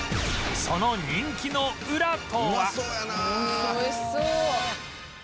その人気のウラとは？